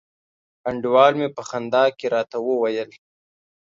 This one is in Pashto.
انډیوال می په خندا کي راته وویل